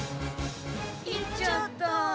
行っちゃった。